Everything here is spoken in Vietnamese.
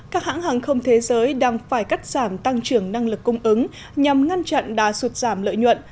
các hãng hàng không thế giới đang phải cắt giảm tăng trưởng năng lực cung ứng nhằm ngăn chặn đá sụt giảm lợi nhuận